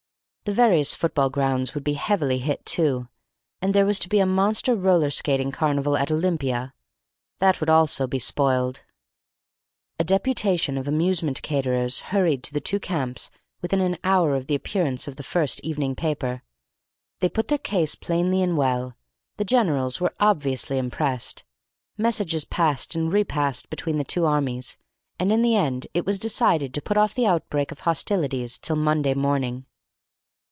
The various football grounds would be heavily hit, too. And there was to be a monster roller skating carnival at Olympia. That also would be spoiled. A deputation of amusement caterers hurried to the two camps within an hour of the appearance of the first evening paper. They put their case plainly and well. The Generals were obviously impressed. Messages passed and repassed between the two armies, and in the end it was decided to put off the outbreak of hostilities till Monday morning.